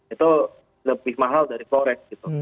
itu lebih mahal dari korek gitu